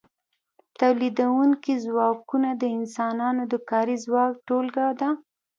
تولیدونکي ځواکونه د انسانانو د کاري ځواک ټولګه ده.